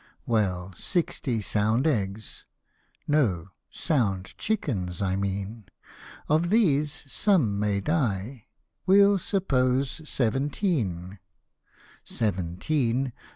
" Well, sixty sound eggs no ; sound chickens, I mean; Of these some may die ; we'll suppose seventeen, Seventeen